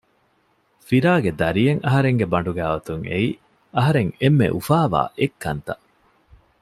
ފިރާގެ ދަރިއެއް އަހަރެންގެ ބަނޑުގައި އޮތުން އެއީ އަހަރެން އެންމެ އުފާވާ އެއްކަންތައް